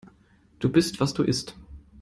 Du bist, was du isst.